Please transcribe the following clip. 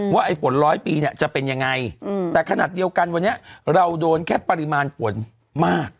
ว่าไอ้ฝนร้อยปีเนี่ยจะเป็นยังไงแต่ขนาดเดียวกันวันนี้เราโดนแค่ปริมาณฝนมาก